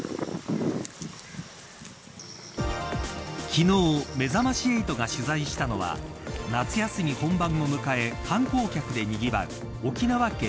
昨日めざまし８が取材したのは夏休み本番を迎え観光客でにぎわう沖縄県